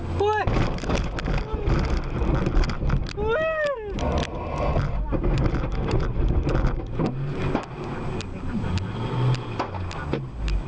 ต้องโอ้ย